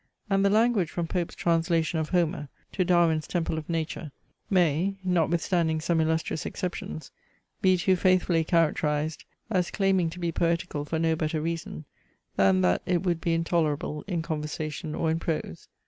And the language from Pope's translation of Homer, to Darwin's Temple of Nature , may, notwithstanding some illustrious exceptions, be too faithfully characterized, as claiming to be poetical for no better reason, than that it would be intolerable in conversation or in prose.